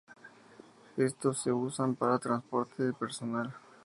Éstos se usan para transporte de personal.